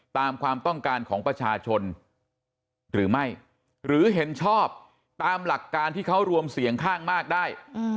ตามความต้องการของประชาชนหรือไม่หรือเห็นชอบตามหลักการที่เขารวมเสียงข้างมากได้